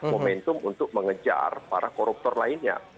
momentum untuk mengejar para koruptor lainnya